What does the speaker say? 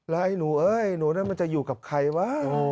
แล้วไอ้หนูเอ้ยหนูนั้นมันจะอยู่กับใครวะ